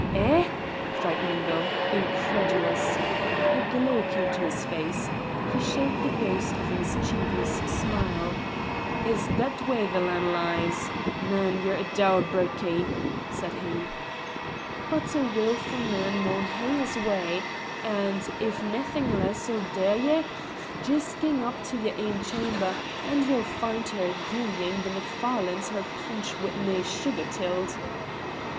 "Eh!" cried Mungo, incredulous. A glow came to his face. He showed the ghost of a mischievous smile. "Is't that way the lan' lies? Man, ye're a dour birkie!" said he; "but a wilf u' man maun hae his way, and, if naething less'll dae ye, jist gang up to yer ain chaumer, and ye'll find her giein' the Macfarlanes het punch wi' nae sugar till't."